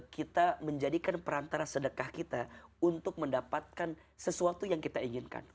kita menjadikan perantara sedekah kita untuk mendapatkan sesuatu yang kita inginkan